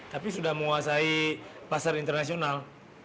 tapi sudah menguasai pasar internasional